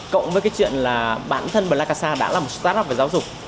cộng với chuyện là bản thân blackasa đã là một startup về giáo dục